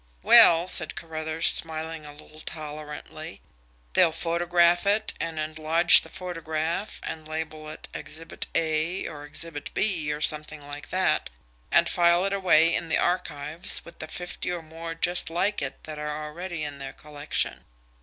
"Well," said Carruthers, smiling a little tolerantly, "they'll photograph it and enlarge the photograph, and label it 'Exhibit A' or 'Exhibit B' or something like that and file it away in the archives with the fifty or more just like it that are already in their collection."